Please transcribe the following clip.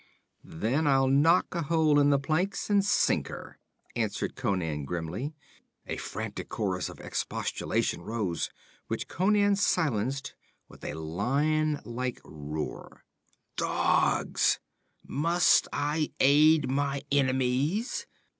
'Then I'll knock a hole in the planks and sink her,' answered Conan grimly. A frantic chorus of expostulation rose, which Conan silenced with a lion like roar. 'Dogs! Must I aid my enemies?